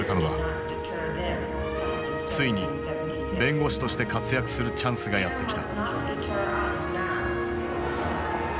ついに弁護士として活躍するチャンスがやって来た。